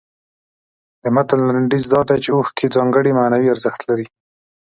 د متن لنډیز دا دی چې اوښکې ځانګړی معنوي ارزښت لري.